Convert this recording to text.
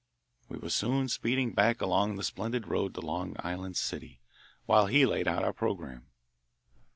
We were soon speeding back along the splendid road to Long Island City, while he laid out our programme.